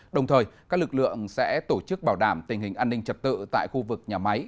đồng thời các lực lượng sẽ tổ chức bảo đảm tình hình an ninh trật tự tại khu vực nhà máy